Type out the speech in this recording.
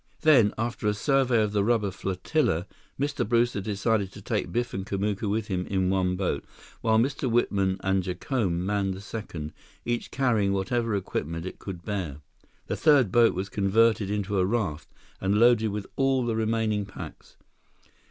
Then, after a survey of the rubber flotilla, Mr. Brewster decided to take Biff and Kamuka with him in one boat, while Mr. Whitman and Jacome manned the second, each carrying whatever equipment it could bear. The third boat was converted into a raft and loaded with all the remaining packs.